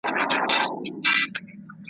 د پاکستان رول تل